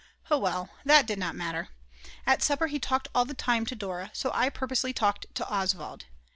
Oh well, that did not matter. At supper he talked all the time to Dora, so I purposely talked to Oswald.